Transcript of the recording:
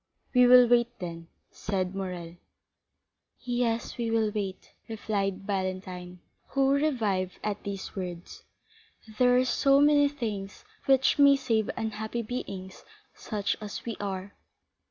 "We will wait, then," said Morrel. "Yes, we will wait," replied Valentine, who revived at these words; "there are so many things which may save unhappy beings such as we are."